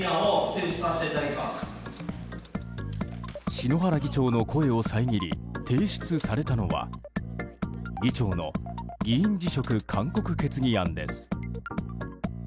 篠原議長の声を遮り提出されたのは議長の議員辞職勧告決議案です。